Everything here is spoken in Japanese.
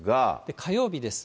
火曜日です。